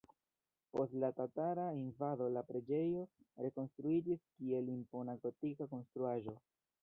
Post la tatara invado la preĝejo rekonstruiĝis, kiel impona gotika konstruaĵo.